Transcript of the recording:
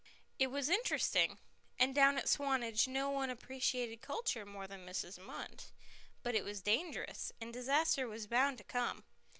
It was interesting, and down at Swanage no one appreciated culture more than Mrs. Munt; but it was dangerous, and disaster was bound to come.